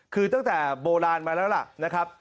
คือตั้งแต่โบราณมาแล้วล่ะนะครับ